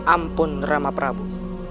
ampun rama prabu